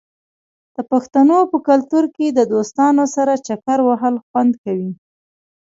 د پښتنو په کلتور کې د دوستانو سره چکر وهل خوند کوي.